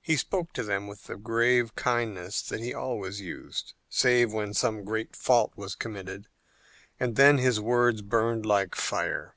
He spoke to them with the grave kindness that he always used, save when some great fault was committed, and then his words burned like fire.